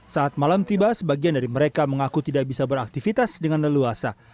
saat malam tiba sebagian dari mereka mengaku tidak bisa beraktivitas dengan leluasa